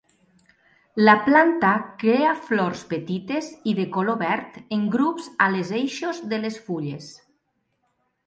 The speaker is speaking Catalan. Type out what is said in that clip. La planta crea flors petites i de color verd en grups a les eixos de les fulles.